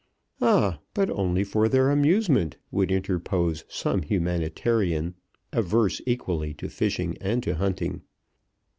"Ah, but only for their amusement!" would interpose some humanitarian averse equally to fishing and to hunting.